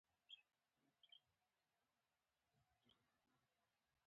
ناروغه ماشوم باید ډاکټر ته یووړل شي۔